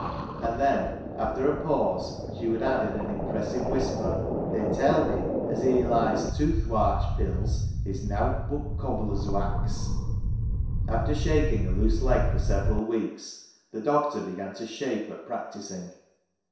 And then, after a pause, she would add, in an impressive whisper, " They tell me as Eli's toothwarch pills is nowt bud cobbler's wax." After shaking a loose leg for several weeks, the doctor began to " shape " at practising.